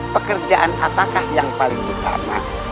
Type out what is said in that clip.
pekerjaan apakah yang paling utama